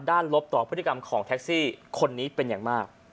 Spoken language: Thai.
ลบต่อพฤติกรรมของแท็กซี่คนนี้เป็นอย่างมาก